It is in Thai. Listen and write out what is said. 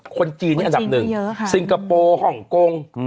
คนจีนนี่อันดับหนึ่งซิงคโปร์ฮ่องกง